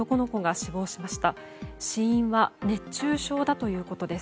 死因は熱中症だということです。